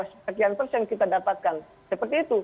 sekian persen kita dapatkan seperti itu